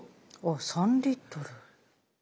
あ３リットル。